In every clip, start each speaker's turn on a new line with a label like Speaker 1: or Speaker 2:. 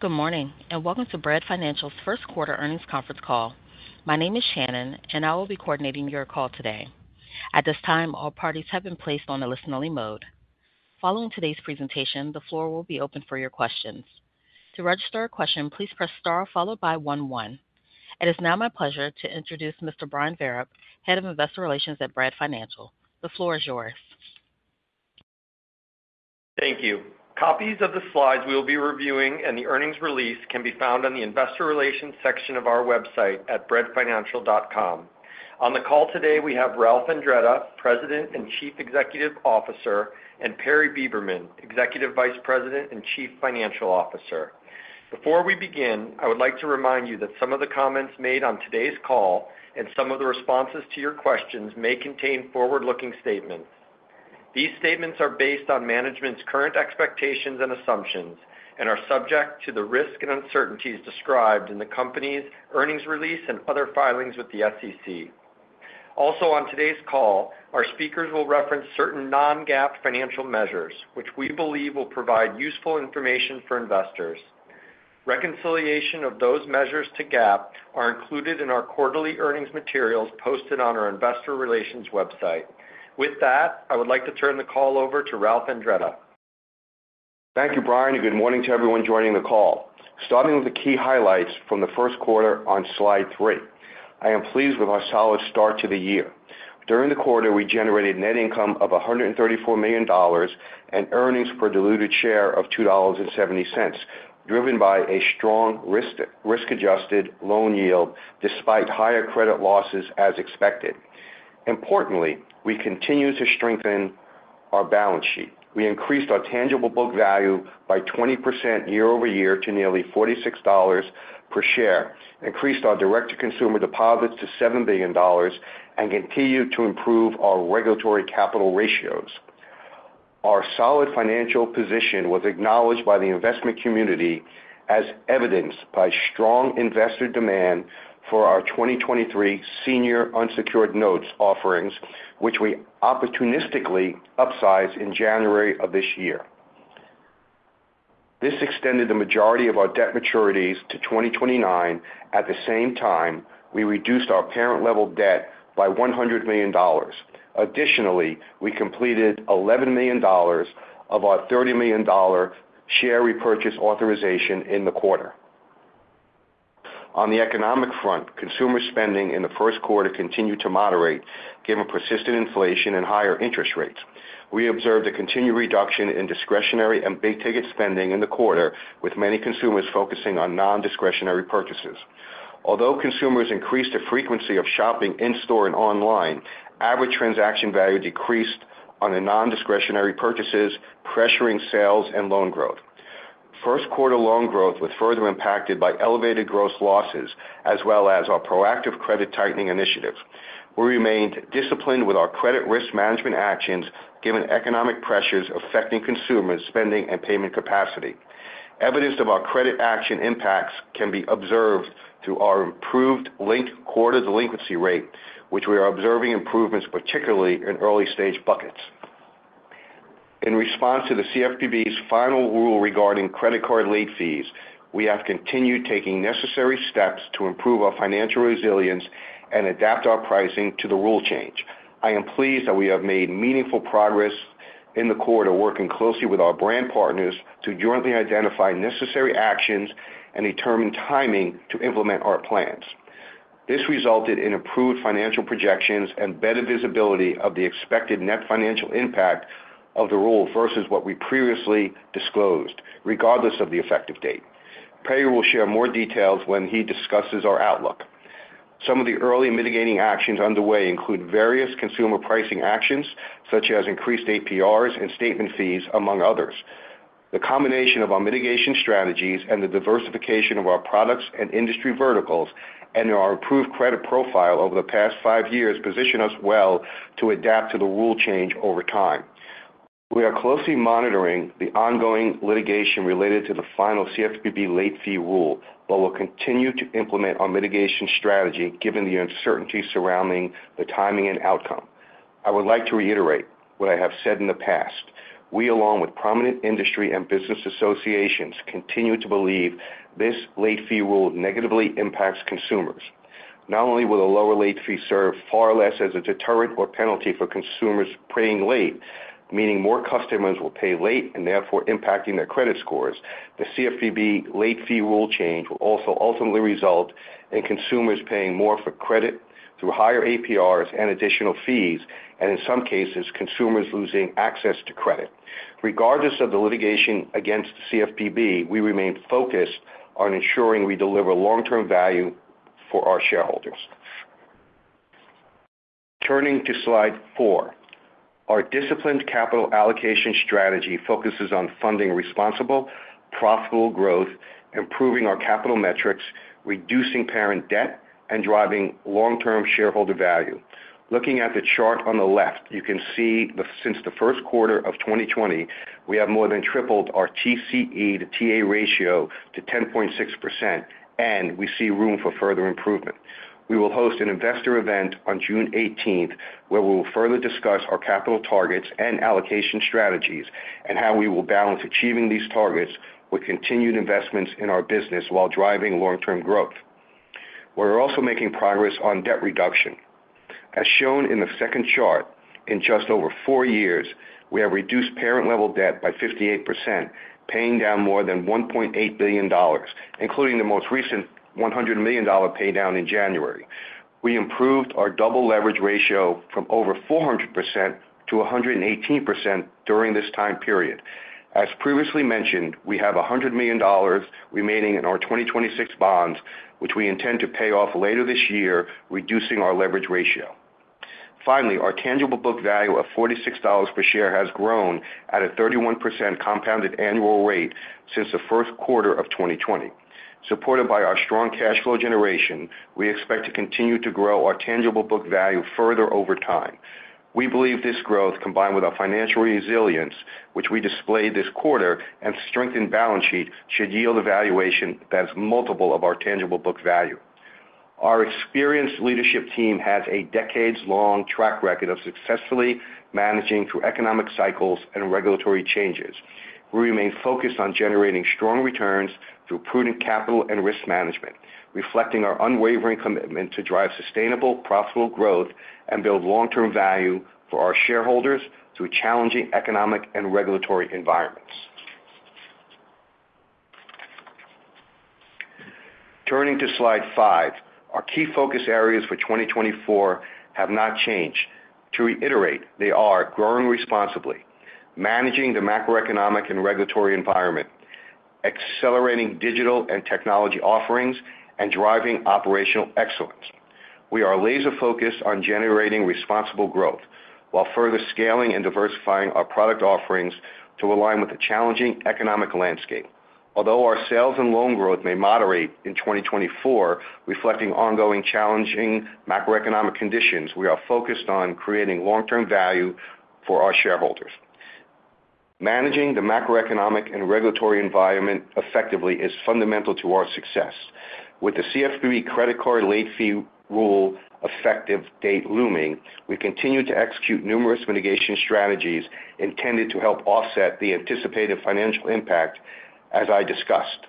Speaker 1: Good morning and welcome to Bread Financial's Q1 earnings conference call. My name is Shannon, and I will be coordinating your call today. At this time, all parties have been placed on a listen-only mode. Following today's presentation, the floor will be open for your questions. To register a question, please press star followed by one one. It is now my pleasure to introduce Mr. Brian Vereb, Head of Investor Relations at Bread Financial. The floor is yours.
Speaker 2: Thank you. Copies of the slides we will be reviewing and the earnings release can be found on the investor relations section of our website at breadfinancial.com. On the call today, we have Ralph Andretta, President and Chief Executive Officer, and Perry Beberman, Executive Vice President and Chief Financial Officer. Before we begin, I would like to remind you that some of the comments made on today's call and some of the responses to your questions may contain forward-looking statements. These statements are based on management's current expectations and assumptions and are subject to the risk and uncertainties described in the company's earnings release and other filings with the SEC. Also on today's call, our speakers will reference certain non-GAAP financial measures, which we believe will provide useful information for investors. Reconciliation of those measures to GAAP are included in our quarterly earnings materials posted on our investor relations website. With that, I would like to turn the call over to Ralph Andretta.
Speaker 3: Thank you, Brian, and good morning to everyone joining the call. Starting with the key highlights from the Q1 on slide 3, I am pleased with our solid start to the year. During the quarter, we generated net income of $134 million and earnings per diluted share of $2.70, driven by a strong risk-adjusted loan yield despite higher credit losses as expected. Importantly, we continue to strengthen our balance sheet. We increased our tangible book value by 20% year-over-year to nearly $46 per share, increased our direct-to-consumer deposits to $7 billion, and continued to improve our regulatory capital ratios. Our solid financial position was acknowledged by the investment community as evidenced by strong investor demand for our 2023 senior unsecured notes offerings, which we opportunistically upsized in January of this year. This extended the majority of our debt maturities to 2029. At the same time, we reduced our parent-level debt by $100 million. Additionally, we completed $11 million of our $30 million share repurchase authorization in the quarter. On the economic front, consumer spending in the Q1 continued to moderate given persistent inflation and higher interest rates. We observed a continued reduction in discretionary and big-ticket spending in the quarter, with many consumers focusing on nondiscretionary purchases. Although consumers increased the frequency of shopping in-store and online, average transaction value decreased on nondiscretionary purchases, pressuring sales and loan growth. Q1 loan growth was further impacted by elevated gross losses as well as our proactive credit tightening initiatives. We remained disciplined with our credit risk management actions given economic pressures affecting consumer spending and payment capacity. Evidence of our credit action impacts can be observed through our improved linked quarter delinquency rate, which we are observing improvements particularly in early-stage buckets. In response to the CFPB's final rule regarding credit card late fees, we have continued taking necessary steps to improve our financial resilience and adapt our pricing to the rule change. I am pleased that we have made meaningful progress in the quarter, working closely with our brand partners to jointly identify necessary actions and determine timing to implement our plans. This resulted in improved financial projections and better visibility of the expected net financial impact of the rule versus what we previously disclosed, regardless of the effective date. Perry will share more details when he discusses our outlook. Some of the early mitigating actions underway include various consumer pricing actions such as increased APRs and statement fees, among others. The combination of our mitigation strategies and the diversification of our products and industry verticals and our improved credit profile over the past five years position us well to adapt to the rule change over time. We are closely monitoring the ongoing litigation related to the final CFPB late fee rule, but will continue to implement our mitigation strategy given the uncertainty surrounding the timing and outcome. I would like to reiterate what I have said in the past. We, along with prominent industry and business associations, continue to believe this late fee rule negatively impacts consumers. Not only will the lower late fee serve far less as a deterrent or penalty for consumers paying late, meaning more customers will pay late and therefore impacting their credit scores, the CFPB late fee rule change will also ultimately result in consumers paying more for credit through higher APRs and additional fees, and in some cases, consumers losing access to credit. Regardless of the litigation against the CFPB, we remain focused on ensuring we deliver long-term value for our shareholders. Turning to slide 4, our disciplined capital allocation strategy focuses on funding responsible, profitable growth, improving our capital metrics, reducing parent debt, and driving long-term shareholder value. Looking at the chart on the left, you can see since the Q1 of 2020, we have more than tripled our TCE to TA ratio to 10.6%, and we see room for further improvement. We will host an investor event on June 18th where we will further discuss our capital targets and allocation strategies and how we will balance achieving these targets with continued investments in our business while driving long-term growth. We're also making progress on debt reduction. As shown in the second chart, in just over four years, we have reduced parent-level debt by 58%, paying down more than $1.8 billion, including the most recent $100 million paydown in January. We improved our double leverage ratio from over 400%-118% during this time period. As previously mentioned, we have $100 million remaining in our 2026 bonds, which we intend to pay off later this year, reducing our leverage ratio. Finally, our tangible book value of $46 per share has grown at a 31% compounded annual rate since the Q1 of 2020. Supported by our strong cash flow generation, we expect to continue to grow our tangible book value further over time. We believe this growth, combined with our financial resilience, which we displayed this quarter and strengthened balance sheet, should yield a valuation that's multiple of our tangible book value. Our experienced leadership team has a decades-long track record of successfully managing through economic cycles and regulatory changes. We remain focused on generating strong returns through prudent capital and risk management, reflecting our unwavering commitment to drive sustainable, profitable growth and build long-term value for our shareholders through challenging economic and regulatory environments. Turning to slide 5, our key focus areas for 2024 have not changed. To reiterate, they are growing responsibly, managing the macroeconomic and regulatory environment, accelerating digital and technology offerings, and driving operational excellence. We are laser-focused on generating responsible growth while further scaling and diversifying our product offerings to align with the challenging economic landscape. Although our sales and loan growth may moderate in 2024, reflecting ongoing challenging macroeconomic conditions, we are focused on creating long-term value for our shareholders. Managing the macroeconomic and regulatory environment effectively is fundamental to our success. With the CFPB credit card late fee rule effective date looming, we continue to execute numerous mitigation strategies intended to help offset the anticipated financial impact, as I discussed.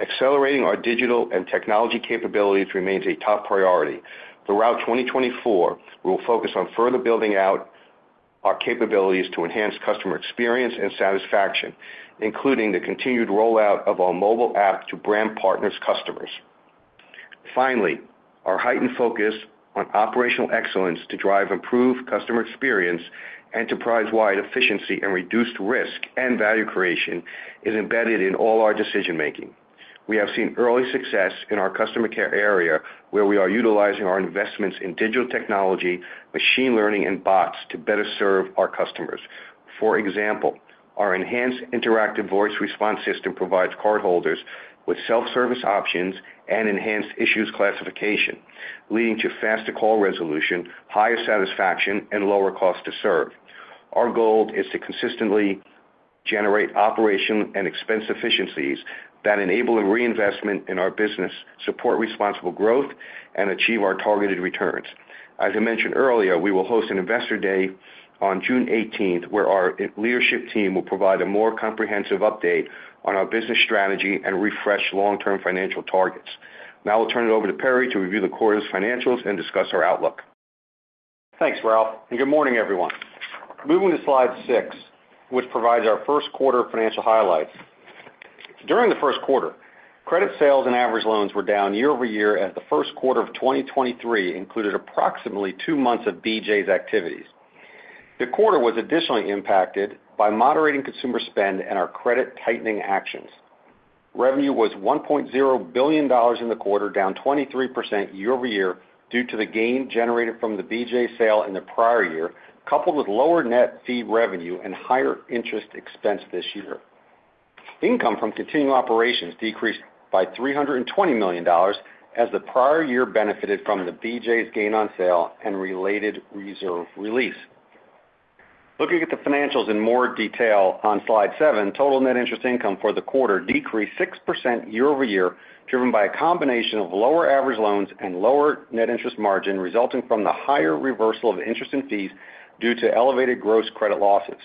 Speaker 3: Accelerating our digital and technology capabilities remains a top priority. Throughout 2024, we will focus on further building out our capabilities to enhance customer experience and satisfaction, including the continued rollout of our mobile app to brand partners' customers. Finally, our heightened focus on operational excellence to drive improved customer experience, enterprise-wide efficiency, and reduced risk and value creation is embedded in all our decision-making. We have seen early success in our customer care area, where we are utilizing our investments in digital technology, machine learning, and bots to better serve our customers. For example, our enhanced interactive voice response system provides cardholders with self-service options and enhanced issues classification, leading to faster call resolution, higher satisfaction, and lower cost to serve. Our goal is to consistently generate operation and expense efficiencies that enable reinvestment in our business, support responsible growth, and achieve our targeted returns. As I mentioned earlier, we will host an investor day on June 18th, where our leadership team will provide a more comprehensive update on our business strategy and refresh long-term financial targets. Now I'll turn it over to Perry to review the quarter's financials and discuss our outlook.
Speaker 4: Thanks, Ralph, and good morning, everyone. Moving to slide 6, which provides our Q1 financial highlights. During the Q1, credit sales and average loans were down year-over-year as the Q1 of 2023 included approximately two months of BJ's activities. The quarter was additionally impacted by moderating consumer spend and our credit tightening actions. Revenue was $1.0 billion in the quarter, down 23% year-over-year due to the gain generated from the BJ sale in the prior year, coupled with lower net fee revenue and higher interest expense this year. Income from continuing operations decreased by $320 million as the prior year benefited from the BJ's gain on sale and related reserve release. Looking at the financials in more detail on slide 7, total net interest income for the quarter decreased 6% year-over-year, driven by a combination of lower average loans and lower net interest margin resulting from the higher reversal of interest and fees due to elevated gross credit losses.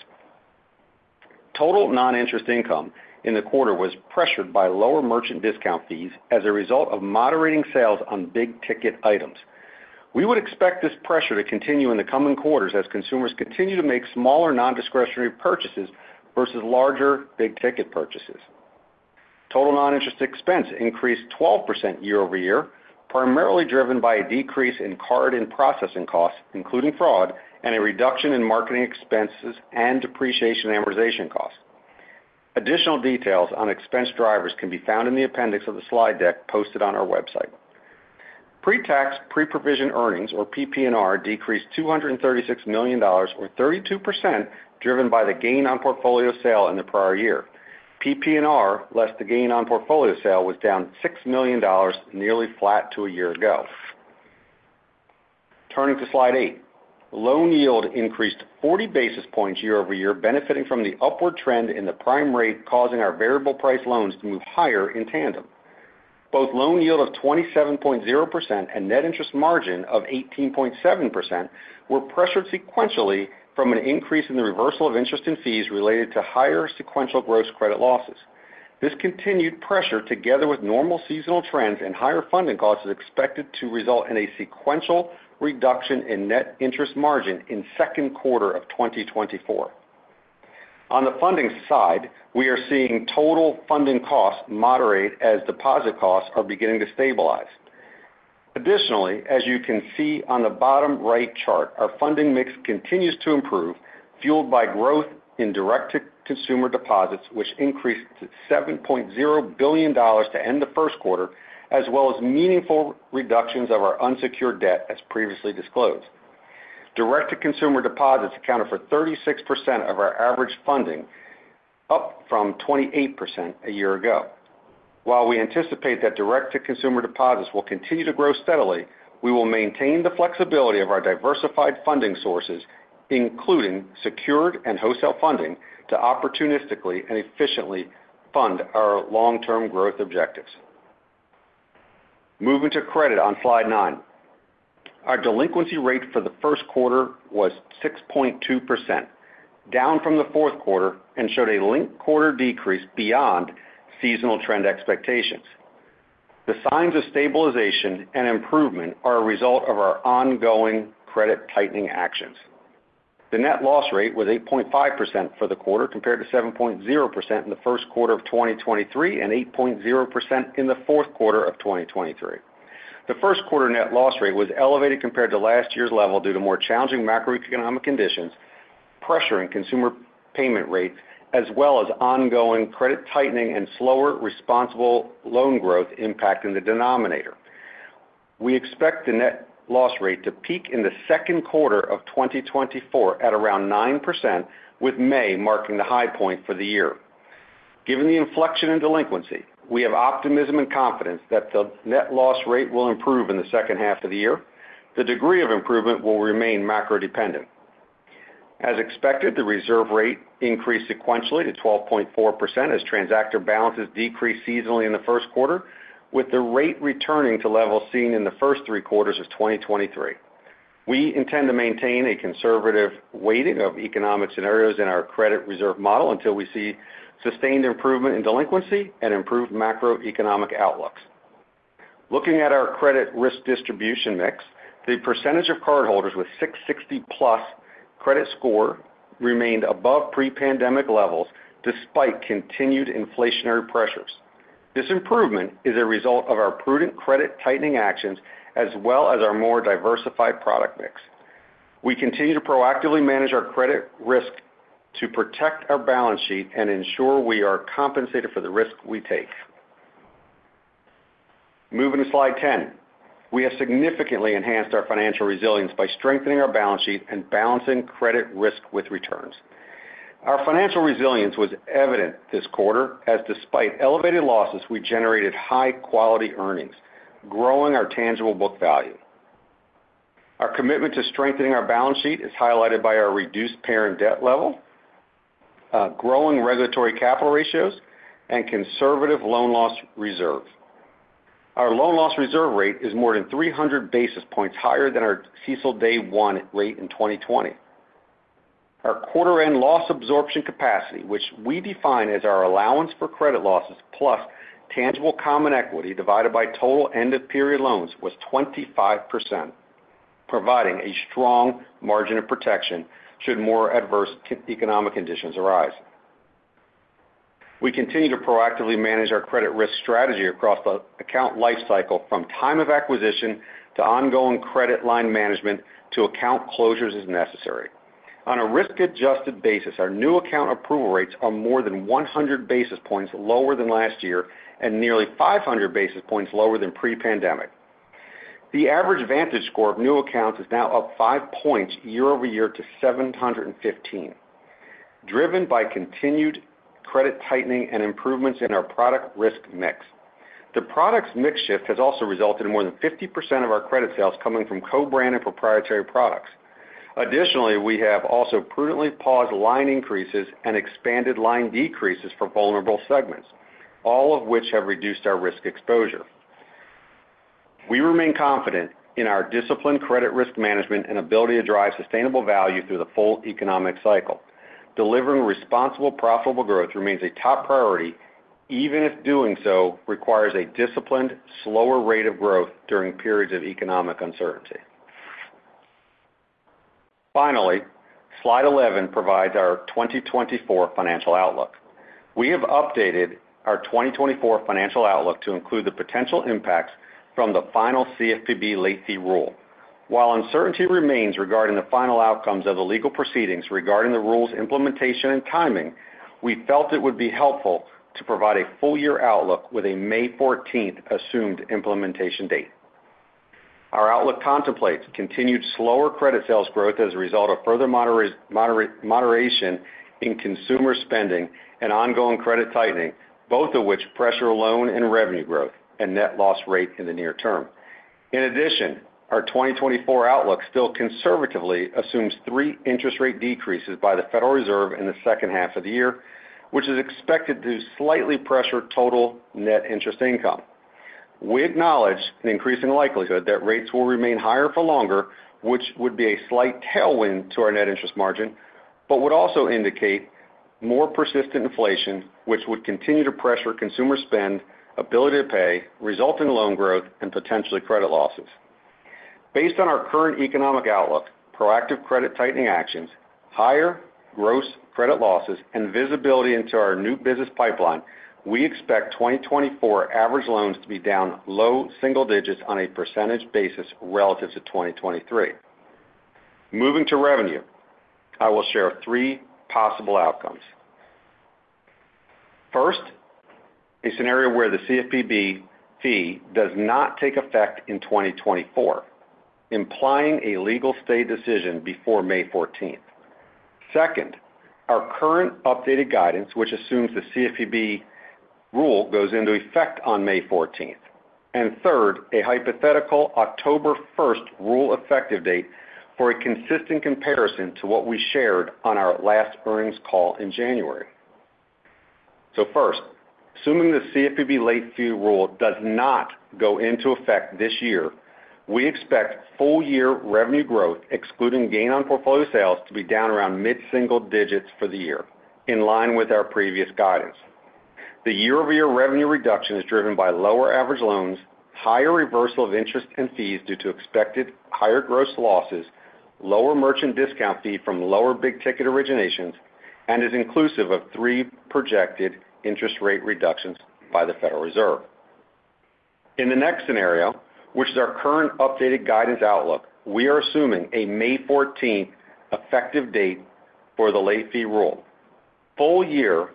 Speaker 4: Total non-interest income in the quarter was pressured by lower merchant discount fees as a result of moderating sales on big-ticket items. We would expect this pressure to continue in the coming quarters as consumers continue to make smaller nondiscretionary purchases versus larger big-ticket purchases. Total non-interest expense increased 12% year-over-year, primarily driven by a decrease in card and processing costs, including fraud, and a reduction in marketing expenses and depreciation amortization costs. Additional details on expense drivers can be found in the appendix of the slide deck posted on our website. Pre-tax pre-provision earnings, or PPNR, decreased $236 million, or 32%, driven by the gain on portfolio sale in the prior year. PPNR, less the gain on portfolio sale, was down $6 million, nearly flat to a year ago. Turning to slide 8, loan yield increased 40 basis points year-over-year, benefiting from the upward trend in the prime rate, causing our variable price loans to move higher in tandem. Both loan yield of 27.0% and net interest margin of 18.7% were pressured sequentially from an increase in the reversal of interest and fees related to higher sequential gross credit losses. This continued pressure, together with normal seasonal trends and higher funding costs, is expected to result in a sequential reduction in net interest margin in the Q2 of 2024. On the funding side, we are seeing total funding costs moderate as deposit costs are beginning to stabilize. Additionally, as you can see on the bottom right chart, our funding mix continues to improve, fueled by growth in direct consumer deposits, which increased to $7.0 billion to end the Q1, as well as meaningful reductions of our unsecured debt, as previously disclosed. Direct-to-consumer deposits accounted for 36% of our average funding, up from 28% a year ago. While we anticipate that direct-to-consumer deposits will continue to grow steadily, we will maintain the flexibility of our diversified funding sources, including secured and wholesale funding, to opportunistically and efficiently fund our long-term growth objectives. Moving to credit on slide 9, our delinquency rate for the Q1 was 6.2%, down from the Q4, and showed a linked quarter decrease beyond seasonal trend expectations. The signs of stabilization and improvement are a result of our ongoing credit tightening actions. The net loss rate was 8.5% for the quarter, compared to 7.0% in the Q1 of 2023 and 8.0% in the Q4 of 2023. The Q1 net loss rate was elevated compared to last year's level due to more challenging macroeconomic conditions, pressuring consumer payment rates, as well as ongoing credit tightening and slower responsible loan growth impacting the denominator. We expect the net loss rate to peak in the Q2 of 2024 at around 9%, with May marking the high point for the year. Given the inflection in delinquency, we have optimism and confidence that the net loss rate will improve in the second half of the year. The degree of improvement will remain macro-dependent. As expected, the reserve rate increased sequentially to 12.4% as transactor balances decreased seasonally in the Q1, with the rate returning to levels seen in the first three quarters of 2023. We intend to maintain a conservative weighting of economic scenarios in our credit reserve model until we see sustained improvement in delinquency and improved macroeconomic outlooks. Looking at our credit risk distribution mix, the percentage of cardholders with 660+ credit score remained above pre-pandemic levels despite continued inflationary pressures. This improvement is a result of our prudent credit tightening actions as well as our more diversified product mix. We continue to proactively manage our credit risk to protect our balance sheet and ensure we are compensated for the risk we take. Moving to slide 10, we have significantly enhanced our financial resilience by strengthening our balance sheet and balancing credit risk with returns. Our financial resilience was evident this quarter, as despite elevated losses, we generated high-quality earnings, growing our tangible book value. Our commitment to strengthening our balance sheet is highlighted by our reduced parent debt level, growing regulatory capital ratios, and conservative loan loss reserve. Our loan loss reserve rate is more than 300 basis points higher than our CECL Day One rate in 2020. Our quarter-end loss absorption capacity, which we define as our allowance for credit losses plus tangible common equity divided by total end-of-period loans, was 25%, providing a strong margin of protection should more adverse economic conditions arise. We continue to proactively manage our credit risk strategy across the account lifecycle, from time of acquisition to ongoing credit line management to account closures as necessary. On a risk-adjusted basis, our new account approval rates are more than 100 basis points lower than last year and nearly 500 basis points lower than pre-pandemic. The average VantageScore of new accounts is now up five points year-over-year to 715, driven by continued credit tightening and improvements in our product risk mix. The product's mix shift has also resulted in more than 50% of our credit sales coming from co-brand and proprietary products. Additionally, we have also prudently paused line increases and expanded line decreases for vulnerable segments, all of which have reduced our risk exposure. We remain confident in our disciplined credit risk management and ability to drive sustainable value through the full economic cycle. Delivering responsible, profitable growth remains a top priority, even if doing so requires a disciplined, slower rate of growth during periods of economic uncertainty. Finally, slide 11 provides our 2024 financial outlook. We have updated our 2024 financial outlook to include the potential impacts from the final CFPB late fee rule. While uncertainty remains regarding the final outcomes of the legal proceedings regarding the rule's implementation and timing, we felt it would be helpful to provide a full-year outlook with a May 14th assumed implementation date. Our outlook contemplates continued slower credit sales growth as a result of further moderation in consumer spending and ongoing credit tightening, both of which pressure loan and revenue growth and net loss rate in the near term. In addition, our 2024 outlook still conservatively assumes three interest rate decreases by the Federal Reserve in the second half of the year, which is expected to slightly pressure total net interest income. We acknowledge an increasing likelihood that rates will remain higher for longer, which would be a slight tailwind to our net interest margin but would also indicate more persistent inflation, which would continue to pressure consumer spend, ability to pay, resulting loan growth, and potentially credit losses. Based on our current economic outlook, proactive credit tightening actions, higher gross credit losses, and visibility into our new business pipeline, we expect 2024 average loans to be down low single digits on a percentage basis relative to 2023. Moving to revenue, I will share three possible outcomes. First, a scenario where the CFPB fee does not take effect in 2024, implying a legal state decision before May 14th. Second, our current updated guidance, which assumes the CFPB rule goes into effect on May 14th. And third, a hypothetical October 1st rule effective date for a consistent comparison to what we shared on our last earnings call in January. First, assuming the CFPB late fee rule does not go into effect this year, we expect full-year revenue growth, excluding gain on portfolio sales, to be down around mid-single digits for the year, in line with our previous guidance. The year-over-year revenue reduction is driven by lower average loans, higher reversal of interest and fees due to expected higher gross losses, lower merchant discount fee from lower big-ticket originations, and is inclusive of three projected interest rate reductions by the Federal Reserve. In the next scenario, which is our current updated guidance outlook, we are assuming a May 14th effective date for the late fee rule. Full-year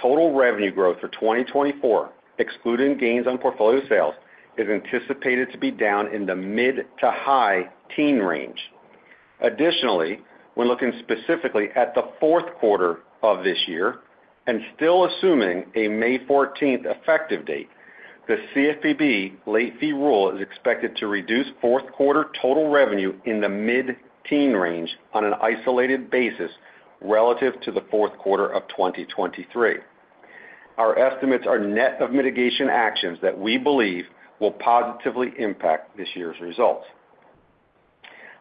Speaker 4: total revenue growth for 2024, excluding gains on portfolio sales, is anticipated to be down in the mid- to high-teen range. Additionally, when looking specifically at the Q4 of this year and still assuming a May 14th effective date, the CFPB late fee rule is expected to reduce Q4 total revenue in the mid-teen range on an isolated basis relative to the Q4 of 2023. Our estimates are net of mitigation actions that we believe will positively impact this year's results.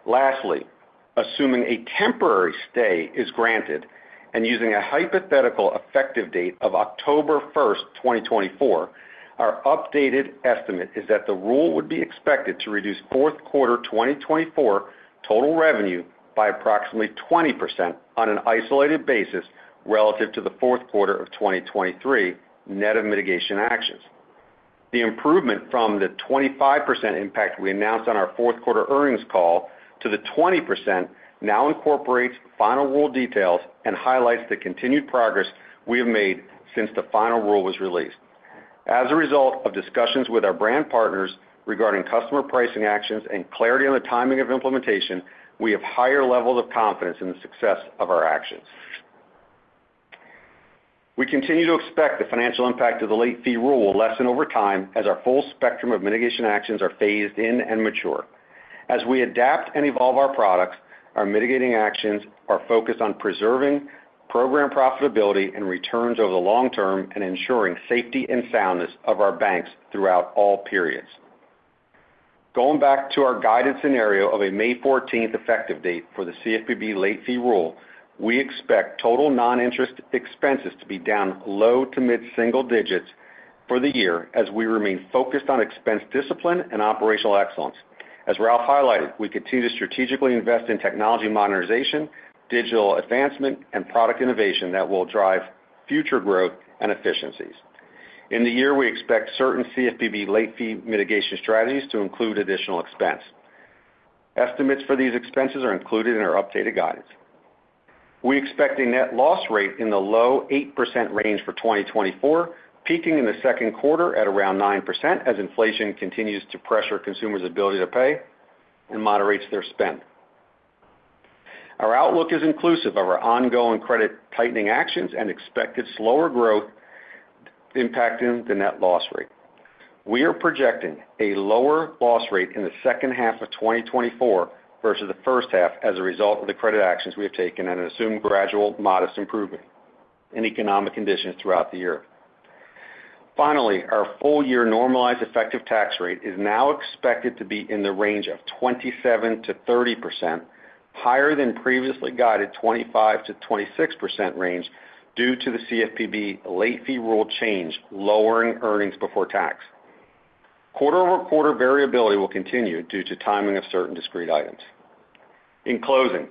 Speaker 4: Lastly, assuming a temporary stay is granted and using a hypothetical effective date of October 1st, 2024, our updated estimate is that the rule would be expected to reduce Q4 2024 total revenue by approximately 20% on an isolated basis relative to the Q4 of 2023, net of mitigation actions. The improvement from the 25% impact we announced on our Q4 earnings call to the 20% now incorporates final rule details and highlights the continued progress we have made since the final rule was released. As a result of discussions with our brand partners regarding customer pricing actions and clarity on the timing of implementation, we have higher levels of confidence in the success of our actions. We continue to expect the financial impact of the late fee rule will lessen over time as our full spectrum of mitigation actions are phased in and mature. As we adapt and evolve our products, our mitigating actions are focused on preserving program profitability and returns over the long term and ensuring safety and soundness of our banks throughout all periods. Going back to our guided scenario of a May 14th effective date for the CFPB late fee rule, we expect total non-interest expenses to be down low to mid-single digits for the year as we remain focused on expense discipline and operational excellence. As Ralph highlighted, we continue to strategically invest in technology modernization, digital advancement, and product innovation that will drive future growth and efficiencies. In the year, we expect certain CFPB late fee mitigation strategies to include additional expense. Estimates for these expenses are included in our updated guidance. We expect a net loss rate in the low 8% range for 2024, peaking in the Q2 at around 9% as inflation continues to pressure consumers' ability to pay and moderates their spend. Our outlook is inclusive of our ongoing credit tightening actions and expected slower growth impacting the net loss rate. We are projecting a lower loss rate in the second half of 2024 versus the first half as a result of the credit actions we have taken and assume gradual, modest improvement in economic conditions throughout the year. Finally, our full-year normalized effective tax rate is now expected to be in the range of 27%-30%, higher than previously guided 25%-26% range due to the CFPB late fee rule change, lowering earnings before tax. Quarter-over-quarter variability will continue due to timing of certain discrete items. In closing,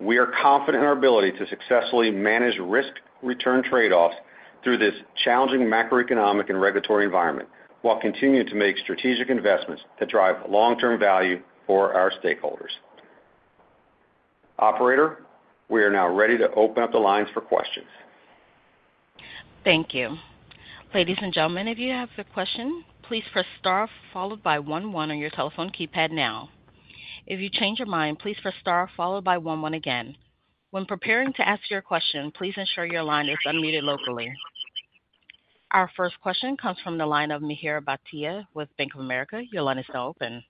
Speaker 4: we are confident in our ability to successfully manage risk-return trade-offs through this challenging macroeconomic and regulatory environment while continuing to make strategic investments that drive long-term value for our stakeholders. Operator, we are now ready to open up the lines for questions. Thank you.
Speaker 1: Ladies and gentlemen, if you have a question, please press star followed by one one on your telephone keypad now. If you change your mind, please press star followed by one one again. When preparing to ask your question, please ensure your line is unmuted locally. Our first question comes from the line of Mihir Bhatia with Bank of America. Your line is now open.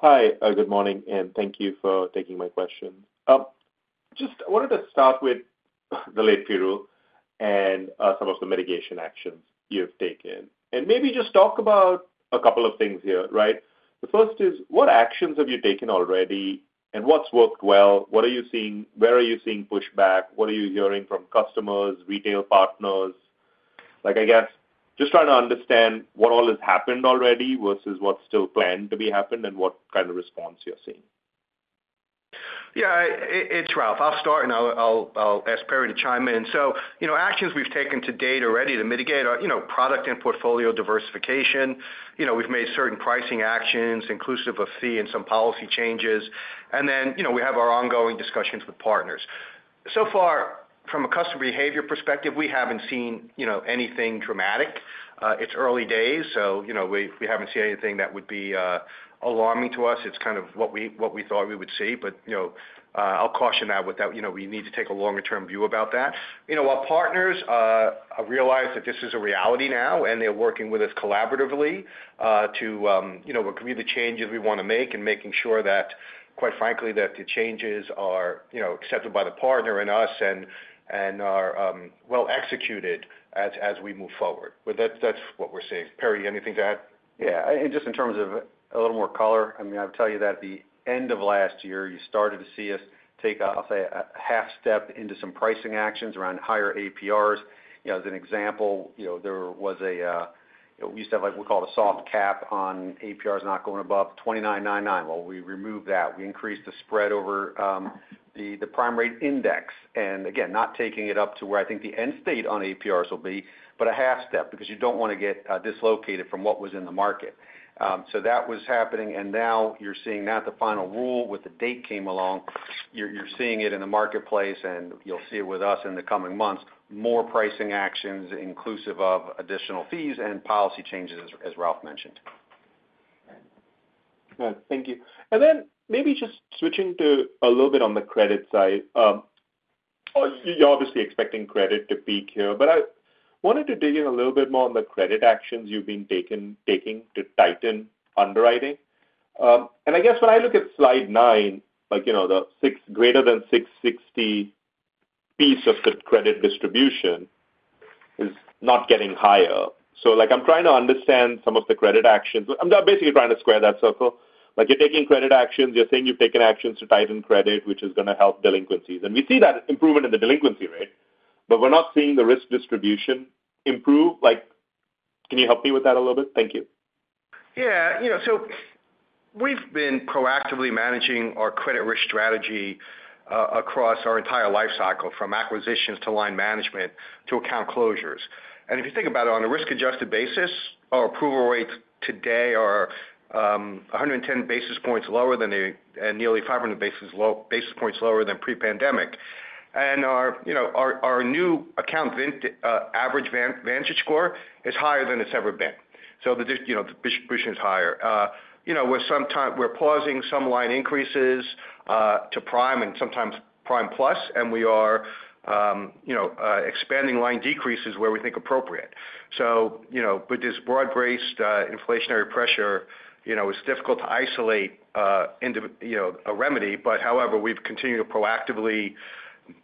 Speaker 5: Hi. Good morning. And thank you for taking my question. I wanted to start with the late fee rule and some of the mitigation actions you have taken. And maybe just talk about a couple of things here, right? The first is, what actions have you taken already, and what's worked well? What are you seeing? Where are you seeing pushback? What are you hearing from customers, retail partners?I guess just trying to understand what all has happened already versus what's still planned to be happened and what kind of response you're seeing.
Speaker 3: Yeah. It's Ralph. I'll start, and I'll ask Perry to chime in. So actions we've taken to date already to mitigate are product and portfolio diversification. We've made certain pricing actions inclusive of fee and some policy changes. And then we have our ongoing discussions with partners. So far, from a customer behavior perspective, we haven't seen anything dramatic. It's early days, so we haven't seen anything that would be alarming to us. It's kind of what we thought we would see. But I'll caution that without we need to take a longer-term view about that. Our partners realize that this is a reality now, and they're working with us collaboratively to agree on the changes we want to make and making sure that, quite frankly, the changes are accepted by the partner and us and are well executed as we move forward. That's what we're seeing. Perry, anything to add?
Speaker 4: Yeah. And just in terms of a little more color, I mean, I would tell you that at the end of last year, you started to see us take, I'll say, a half step into some pricing actions around higher APRs. As an example, there was a we used to have what we called a soft cap on APRs not going above 29.99. Well, we removed that. We increased the spread over the prime rate index. And again, not taking it up to where I think the end state on APRs will be, but a half step because you don't want to get dislocated from what was in the market. So that was happening. And now you're seeing now the final rule with the date came along, you're seeing it in the marketplace, and you'll see it with us in the coming months, more pricing actions inclusive of additional fees and policy changes, as Ralph mentioned.
Speaker 5: Thank you. And then maybe just switching to a little bit on the credit side. You're obviously expecting credit to peak here, but I wanted to dig in a little bit more on the credit actions you've been taking to tighten underwriting. And I guess when I look at slide nine, the greater than 660 piece of the credit distribution is not getting higher. So I'm trying to understand some of the credit actions. I'm basically trying to square that circle. You're taking credit actions. You're saying you've taken actions to tighten credit, which is going to help delinquencies. And we see that improvement in the delinquency rate, but we're not seeing the risk distribution improve. Can you help me with that a little bit? Thank you.
Speaker 3: Yeah. So we've been proactively managing our credit risk strategy across our entire lifecycle, from acquisitions to line management to account closures. And if you think about it, on a risk-adjusted basis, our approval rates today are 110 basis points lower than the nearly 500 basis points lower than pre-pandemic. And our new account average VantageScore is higher than it's ever been. So the distribution is higher. We're pausing some line increases to prime and sometimes prime plus, and we are expanding line decreases where we think appropriate. But this broad-based inflationary pressure, it's difficult to isolate a remedy. But however, we've continued to proactively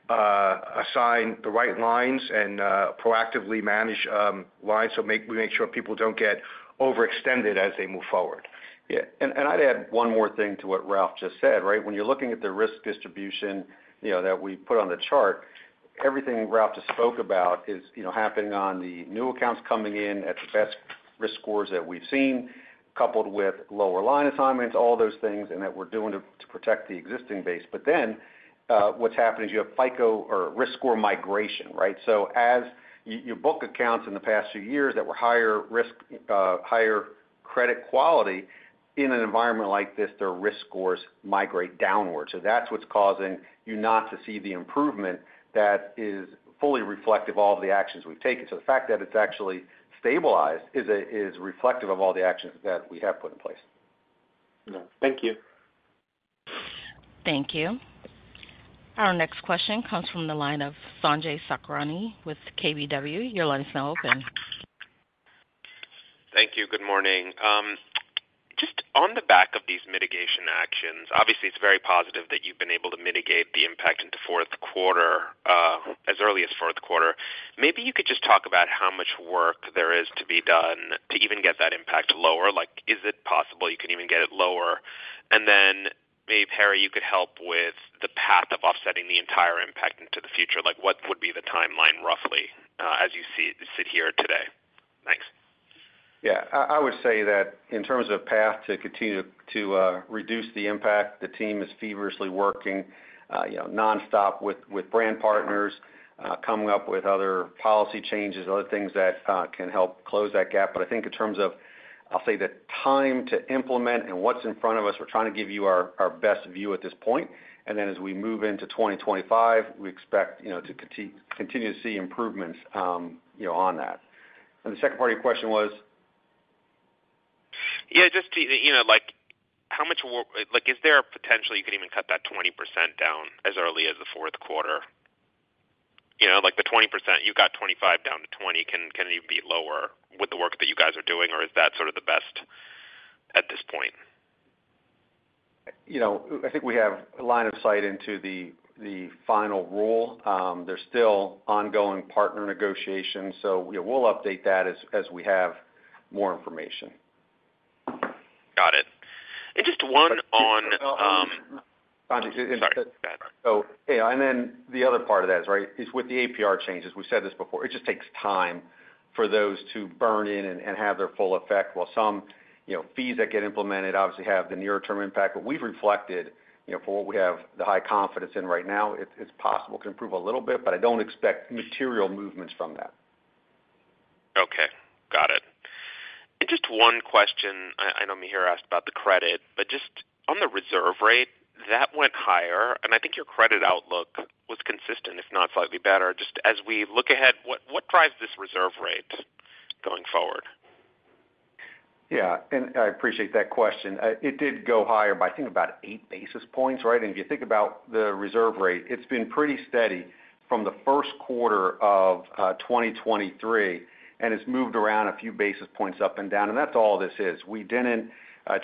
Speaker 3: assign the right lines and proactively manage lines so we make sure people don't get overextended as they move forward.
Speaker 4: Yeah. And I'd add one more thing to what Ralph just said, right? When you're looking at the risk distribution that we put on the chart, everything Ralph just spoke about is happening on the new accounts coming in at the best risk scores that we've seen, coupled with lower line assignments, all those things, and that we're doing to protect the existing base. But then what's happening is you have FICO or risk score migration, right? So as you book accounts in the past few years that were higher risk, higher credit quality, in an environment like this, their risk scores migrate downward. So that's what's causing you not to see the improvement that is fully reflective of all the actions we've taken. So the fact that it's actually stabilized is reflective of all the actions that we have put in place.
Speaker 5: Thank you.
Speaker 1: Thank you. Our next question comes from the line of Sanjay Sakhrani with KBW. Your line is now open.
Speaker 6: Thank you. Good morning. Just on the back of these mitigation actions, obviously, it's very positive that you've been able to mitigate the impact into Q4, as early as Q4. Maybe you could just talk about how much work there is to be done to even get that impact lower. Is it possible you can even get it lower? And then maybe, Perry, you could help with the path of offsetting the entire impact into the future. What would be the timeline, roughly, as you sit here today? Thanks.
Speaker 4: Yeah. I would say that in terms of path to continue to reduce the impact, the team is feverishly working nonstop with brand partners, coming up with other policy changes, other things that can help close that gap. But I think in terms of, I'll say, the time to implement and what's in front of us, we're trying to give you our best view at this point. And then as we move into 2025, we expect to continue to see improvements on that. And the second part of your question was?
Speaker 6: Yeah. Just how much work is there a potential you could even cut that 20% down as early as the Q4? The 20%, you've got 25 down to 20. Can it even be lower with the work that you guys are doing, or is that sort of the best at this point?
Speaker 4: I think we have line of sight into the final rule. There's still ongoing partner negotiations, so we'll update that as we have more information.
Speaker 6: Got it. And just one on
Speaker 4: Sanjay, sorry. Go ahead. And then the other part of that is, right, is with the APR changes. We've said this before. It just takes time for those to burn in and have their full effect. While some fees that get implemented obviously have the near-term impact, what we've reflected for what we have the high confidence in right now, it's possible it can improve a little bit, but I don't expect material movements from that.
Speaker 6: Okay. Got it. And just one question. I know Mihir asked about the credit, but just on the reserve rate, that went higher. And I think your credit outlook was consistent, if not slightly better. Just as we look ahead, what drives this reserve rate going forward?
Speaker 4: Yeah. And I appreciate that question. It did go higher by, I think, about 8 basis points, right? And if you think about the reserve rate, it's been pretty steady from the Q1 of 2023, and it's moved around a few basis points up and down. And that's all this is. We didn't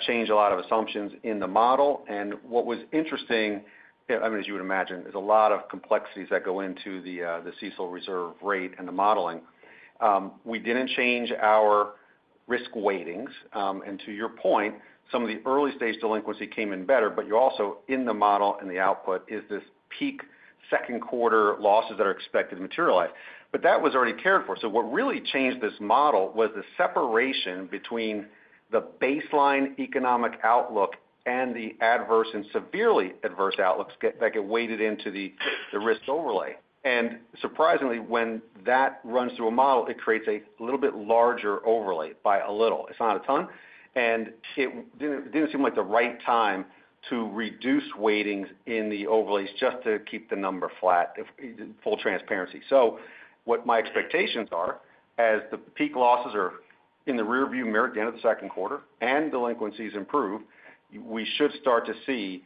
Speaker 4: change a lot of assumptions in the model. And what was interesting, I mean, as you would imagine, there's a lot of complexities that go into the CECL reserve rate and the modeling. We didn't change our risk weightings. To your point, some of the early-stage delinquency came in better, but you're also in the model and the output is this peak second-quarter losses that are expected to materialize. That was already cared for. What really changed this model was the separation between the baseline economic outlook and the adverse and severely adverse outlooks that get weighted into the risk overlay. Surprisingly, when that runs through a model, it creates a little bit larger overlay by a little. It's not a ton. It didn't seem like the right time to reduce weightings in the overlays just to keep the number flat, full transparency. My expectations are, as the peak losses are in the rearview mirror at the end of the Q2 and delinquencies improve, we should start to see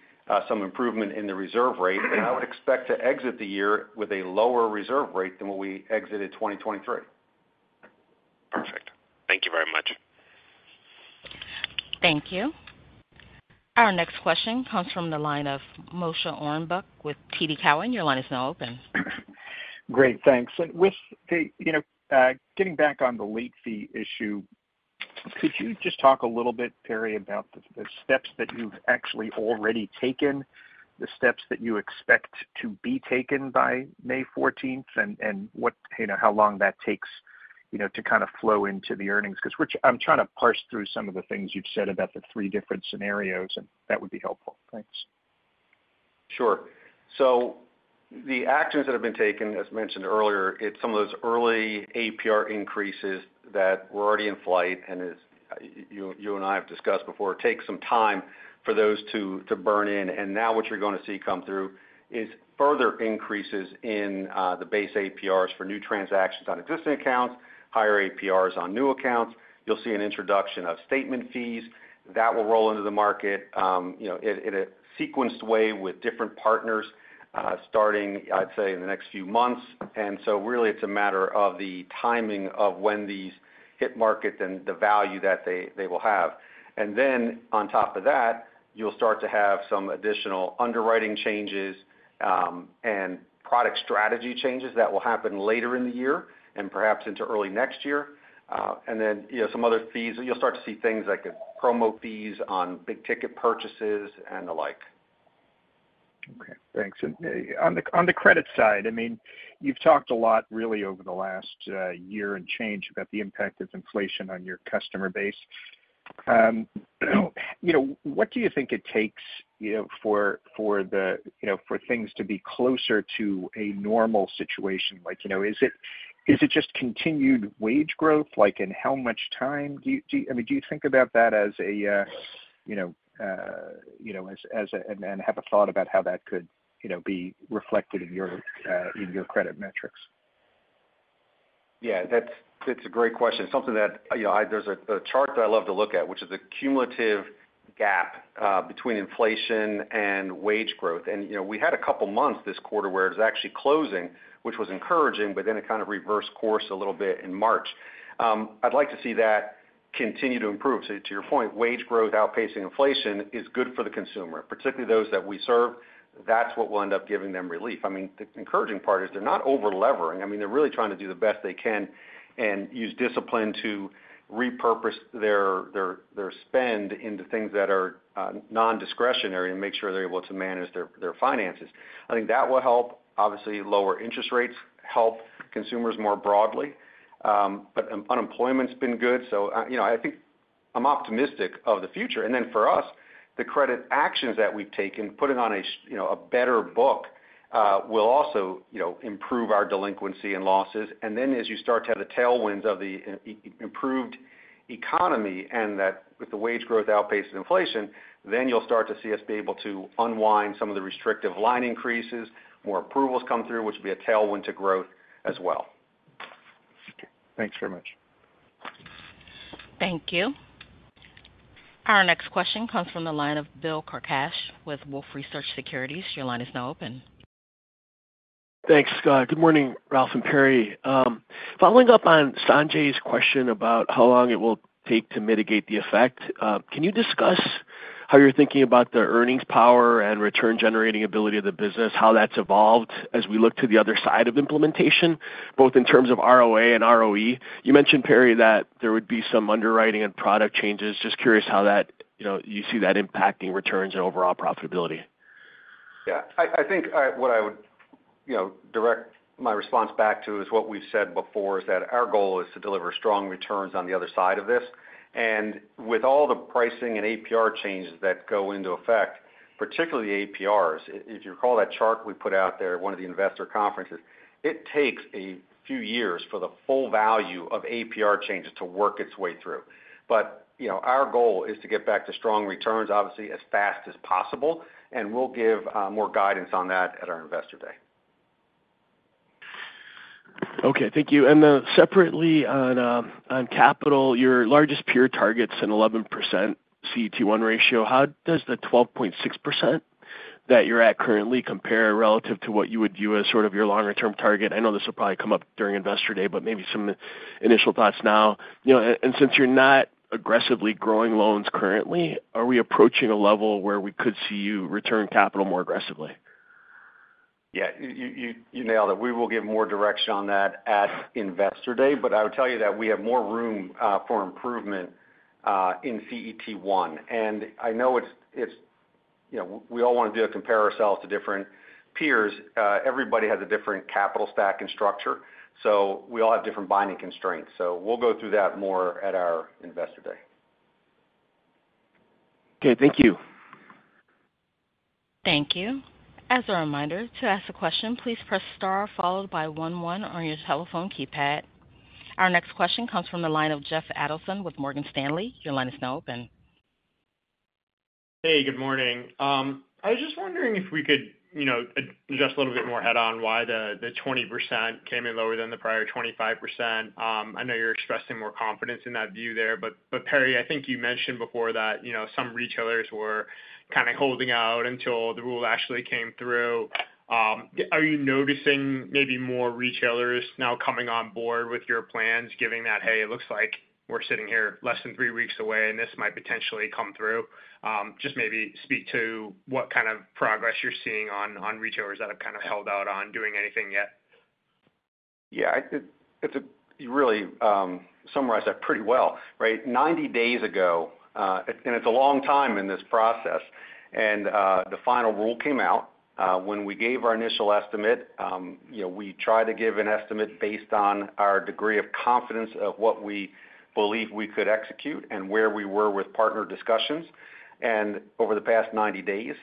Speaker 4: some improvement in the reserve rate. I would expect to exit the year with a lower reserve rate than what we exited 2023.
Speaker 6: Perfect. Thank you very much.
Speaker 1: Thank you. Our next question comes from the line of Moshe Orenbuch with TD Cowen. Your line is now open.
Speaker 7: Great. Thanks. And with getting back on the late fee issue, could you just talk a little bit, Perry, about the steps that you've actually already taken, the steps that you expect to be taken by May 14th, and how long that takes to kind of flow into the earnings? Because I'm trying to parse through some of the things you've said about the three different scenarios, and that would be helpful. Thanks.
Speaker 4: Sure. So the actions that have been taken, as mentioned earlier, it's some of those early APR increases that were already in flight, and as you and I have discussed before, it takes some time for those to burn in. And now what you're going to see come through is further increases in the base APRs for new transactions on existing accounts, higher APRs on new accounts. You'll see an introduction of statement fees. That will roll into the market in a sequenced way with different partners starting, I'd say, in the next few months. And so really, it's a matter of the timing of when these hit market and the value that they will have. And then on top of that, you'll start to have some additional underwriting changes and product strategy changes that will happen later in the year and perhaps into early next year. And then some other fees. You'll start to see things like promo fees on big-ticket purchases and the like.
Speaker 7: Okay. Thanks. And on the credit side, I mean, you've talked a lot, really, over the last year and change about the impact of inflation on your customer base. What do you think it takes for things to be closer to a normal situation? Is it just continued wage growth, and how much time do you I mean, do you think about that as a and have a thought about how that could be reflected in your credit metrics?
Speaker 4: Yeah. That's a great question. Something that there's a chart that I love to look at, which is the cumulative gap between inflation and wage growth. And we had a couple of months this quarter where it was actually closing, which was encouraging, but then it kind of reversed course a little bit in March. I'd like to see that continue to improve. So to your point, wage growth outpacing inflation is good for the consumer, particularly those that we serve. That's what will end up giving them relief. I mean, the encouraging part is they're not over-levering. I mean, they're really trying to do the best they can and use discipline to repurpose their spend into things that are nondiscretionary and make sure they're able to manage their finances. I think that will help. Obviously, lower interest rates help consumers more broadly. But unemployment's been good, so I think I'm optimistic of the future. And then for us, the credit actions that we've taken, putting on a better book, will also improve our delinquency and losses. And then as you start to have the tailwinds of the improved economy and that with the wage growth outpaces inflation, then you'll start to see us be able to unwind some of the restrictive line increases. More approvals come through, which will be a tailwind to growth as well.
Speaker 7: Thanks very much.
Speaker 1: Thank you. Our next question comes from the line of Bill Carcache with Wolfe Research. Your line is now open.
Speaker 8: Thanks, Good morning, Ralph and Perry. Following up on Sanjay's question about how long it will take to mitigate the effect, can you discuss how you're thinking about the earnings power and return-generating ability of the business, how that's evolved as we look to the other side of implementation, both in terms of ROA and ROE? You mentioned, Perry, that there would be some underwriting and product changes. Just curious how you see that impacting returns and overall profitability.
Speaker 4: Yeah. I think what I would direct my response back to is what we've said before, is that our goal is to deliver strong returns on the other side of this. And with all the pricing and APR changes that go into effect, particularly the APRs, if you recall that chart we put out there at one of the investor conferences, it takes a few years for the full value of APR changes to work its way through. But our goal is to get back to strong returns, obviously, as fast as possible. And we'll give more guidance on that at our investor day.
Speaker 8: Okay. Thank you. And then separately on capital, your largest peer targets an 11% CET1 ratio. How does the 12.6% that you're at currently compare relative to what you would view as sort of your longer-term target? I know this will probably come up during investor day, but maybe some initial thoughts now. And since you're not aggressively growing loans currently, are we approaching a level where we could see you return capital more aggressively?
Speaker 4: Yeah. You nailed it. We will give more direction on that at investor day, but I would tell you that we have more room for improvement in CET1. I know it's we all want to be able to compare ourselves to different peers. Everybody has a different capital stack and structure, so we all have different binding constraints. So we'll go through that more at our investor day.
Speaker 8: Okay. Thank you.
Speaker 1: Thank you. As a reminder, to ask a question, please press star followed by one one on your telephone keypad. Our next question comes from the line of Jeff Adelson with Morgan Stanley. Your line is now open.
Speaker 9: Hey. Good morning. I was just wondering if we could just a little bit more head-on why the 20% came in lower than the prior 25%. I know you're expressing more confidence in that view there, but Perry, I think you mentioned before that some retailers were kind of holding out until the rule actually came through. Are you noticing maybe more retailers now coming on board with your plans, given that, "Hey, it looks like we're sitting here less than three weeks away, and this might potentially come through"? Just maybe speak to what kind of progress you're seeing on retailers that have kind of held out on doing anything yet.
Speaker 4: Yeah. You really summarized that pretty well, right? 90 days ago, and it's a long time in this process, and the final rule came out. When we gave our initial estimate, we tried to give an estimate based on our degree of confidence of what we believe we could execute and where we were with partner discussions. Over the past 90 days,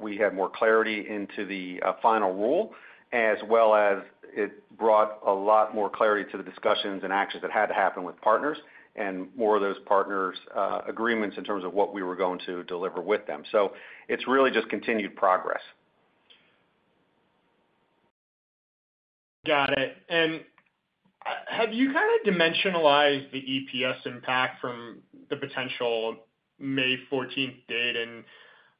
Speaker 4: we had more clarity into the final rule, as well as it brought a lot more clarity to the discussions and actions that had to happen with partners and more of those partners' agreements in terms of what we were going to deliver with them. So it's really just continued progress.
Speaker 9: Got it. Have you kind of dimensionalized the EPS impact from the potential May 14th date?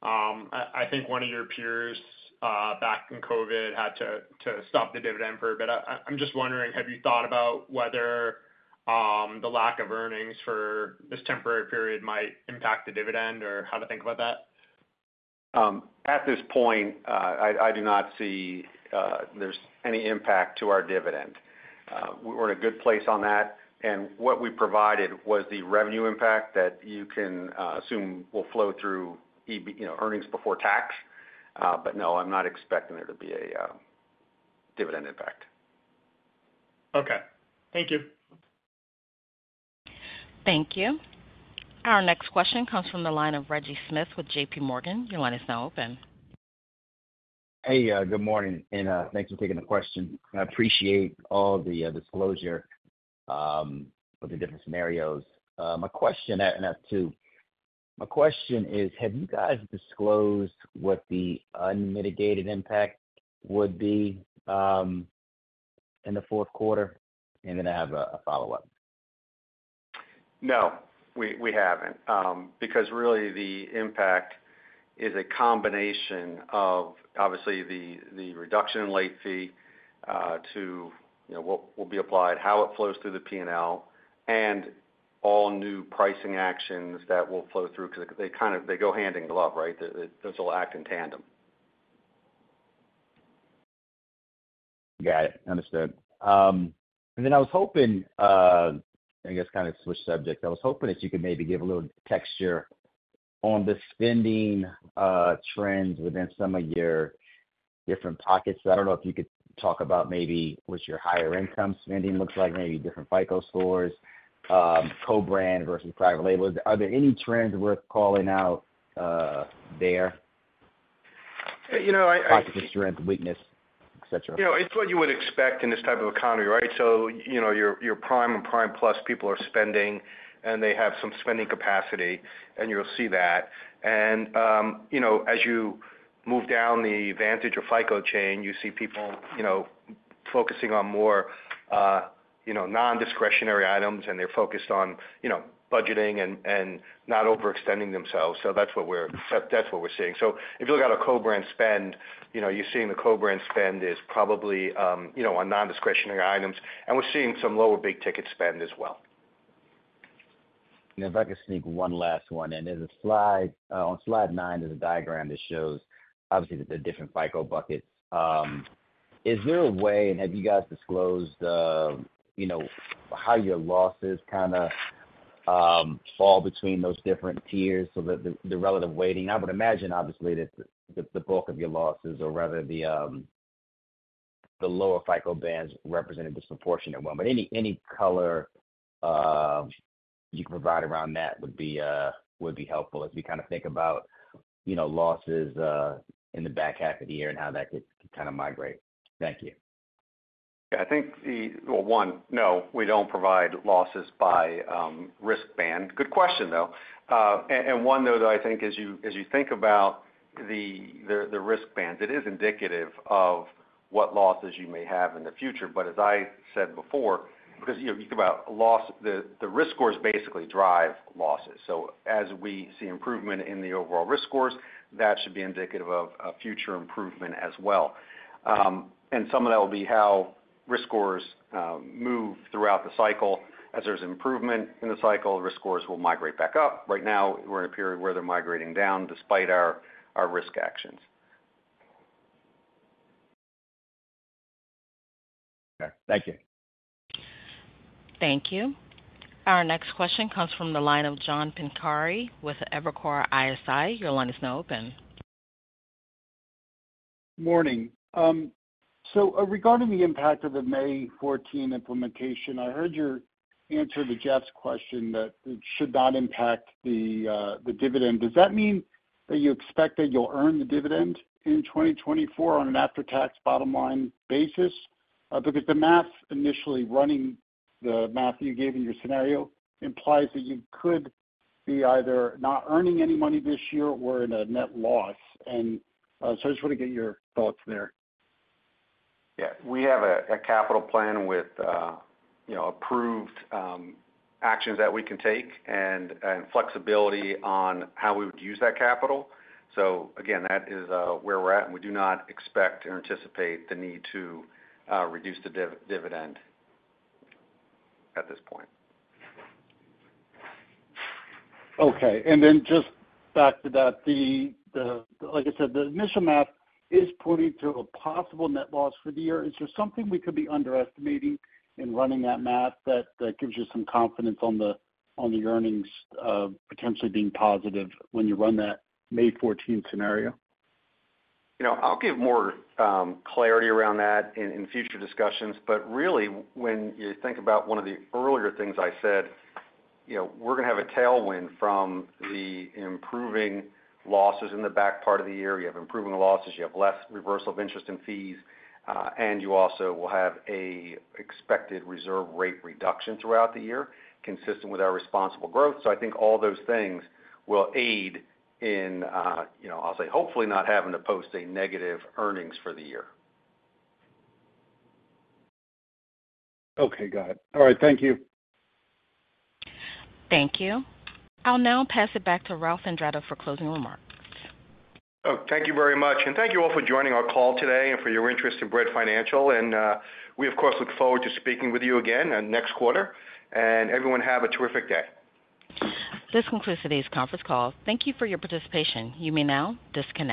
Speaker 9: I think one of your peers back in COVID had to stop the dividend for a bit. I'm just wondering, have you thought about whether the lack of earnings for this temporary period might impact the dividend or how to think about that?
Speaker 4: At this point, I do not see there's any impact to our dividend. We're in a good place on that. What we provided was the revenue impact that you can assume will flow through earnings before tax. No, I'm not expecting there to be a dividend impact.
Speaker 9: Okay. Thank you.
Speaker 1: Thank you. Our next question comes from the line of Reggie Smith with JPMorgan. Your line is now open.
Speaker 10: Hey. Good morning. Thanks for taking the question. I appreciate all the disclosure with the different scenarios. My question and asked two. My question is, have you guys disclosed what the unmitigated impact would be in the Q4? And then I have a follow-up.
Speaker 4: No, we haven't because really, the impact is a combination of, obviously, the reduction in late fee to what will be applied, how it flows through the P&L, and all new pricing actions that will flow through because they go hand in glove, right? Those will act in tandem.
Speaker 10: Got it. Understood. And then I was hoping I guess kind of switch subjects. I was hoping that you could maybe give a little texture on the spending trends within some of your different pockets. I don't know if you could talk about maybe what your higher-income spending looks like, maybe different FICO scores, co-brand versus private labels. Are there any trends worth calling out there? Pocket strength, weakness, etc.?
Speaker 4: Yeah. It's what you would expect in this type of economy, right? So your prime and prime-plus people are spending, and they have some spending capacity, and you'll see that. And as you move down the Vantage or FICO chain, you see people focusing on more nondiscretionary items, and they're focused on budgeting and not overextending themselves. So that's what we're seeing. So if you look at a co-brand spend, you're seeing the co-brand spend is probably on nondiscretionary items. We're seeing some lower big-ticket spend as well.
Speaker 10: If I could sneak one last one. On slide 9, there's a diagram that shows, obviously, the different FICO buckets. Is there a way and have you guys disclosed how your losses kind of fall between those different tiers so that the relative weighting? I would imagine, obviously, that the bulk of your losses or rather the lower FICO bands represent a disproportionate one. But any color you can provide around that would be helpful as we kind of think about losses in the back half of the year and how that could kind of migrate. Thank you.
Speaker 4: Yeah. Well, one, no, we don't provide losses by risk band. Good question, though. And one, though, though, I think, as you think about the risk bands, it is indicative of what losses you may have in the future. But as I said before, because you think about loss, the risk scores basically drive losses. So as we see improvement in the overall risk scores, that should be indicative of future improvement as well. And some of that will be how risk scores move throughout the cycle. As there's improvement in the cycle, risk scores will migrate back up. Right now, we're in a period where they're migrating down despite our risk actions.
Speaker 10: Okay. Thank you.
Speaker 1: Thank you. Our next question comes from the line of John Pancari with Evercore ISI. Your line is now open.
Speaker 11: Good morning. So regarding the impact of the May 14 implementation, I heard your answer to Jeff's question that it should not impact the dividend. Does that mean that you expect that you'll earn the dividend in 2024 on an after-tax bottom-line basis? Because the math initially running the math you gave in your scenario implies that you could be either not earning any money this year or in a net loss. And so I just want to get your thoughts there.
Speaker 4: Yeah. We have a capital plan with approved actions that we can take and flexibility on how we would use that capital. So again, that is where we're at, and we do not expect or anticipate the need to reduce the dividend at this point.
Speaker 11: Okay. And then just back to that, like I said, the initial math is pointing to a possible net loss for the year. Is there something we could be underestimating in running that math that gives you some confidence on the earnings potentially being positive when you run that May 14 scenario?
Speaker 4: I'll give more clarity around that in future discussions. But really, when you think about one of the earlier things I said, we're going to have a tailwind from the improving losses in the back part of the year. You have improving losses. You have less reversal of interest and fees. And you also will have an expected reserve rate reduction throughout the year consistent with our responsible growth. So I think all those things will aid in, I'll say, hopefully not having to post a negative earnings for the year.
Speaker 11: Okay. Got it. All right. Thank you.
Speaker 1: Thank you. I'll now pass it back to Ralph Andretta for closing remarks.
Speaker 3: Oh, thank you very much. And thank you all for joining our call today and for your interest in Bread Financial. And we, of course, look forward to speaking with you again next quarter. And everyone, have a terrific day.
Speaker 1: This concludes today's conference call. Thank you for your participation. You may now disconnect.